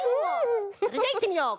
それじゃいってみよう！